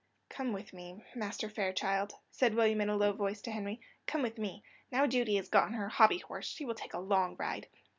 "Come with me, Master Fairchild," said William, in a low voice to Henry, "come with me. Now Judy is got on her hobby horse, she will take a long ride."